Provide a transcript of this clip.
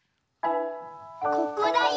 ここだよ。